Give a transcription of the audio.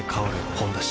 「ほんだし」